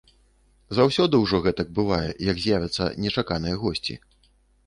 Заўсёды ўжо гэтак бывае, як з'явяцца нечаканыя госці.